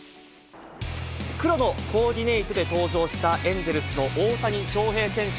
黒のコーディネートで登場した、エンゼルスの大谷翔平選手。